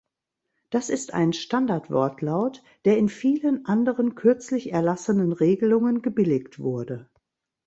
Das ist ein Standardwortlaut, der in vielen anderen kürzlich erlassenen Regelungen gebilligt wurde.